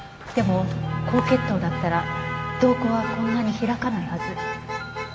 でも高血糖だったら瞳孔はこんなに開かないはず。